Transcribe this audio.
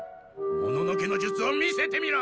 もののけの術を見せてみろ！